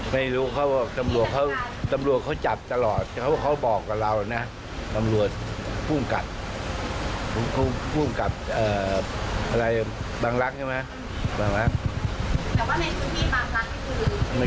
แล้วก็หนังสถานการณ์ไปไปแบบกันเท่ามันก็ปิดแล้วก็ไปเหยื่อเงียบเลยอย่างเงี้ย